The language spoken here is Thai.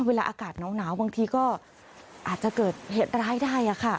เวลาอากาศหนาวบางทีก็อาจจะเกิดเหตุร้ายได้ค่ะ